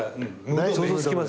想像つきます。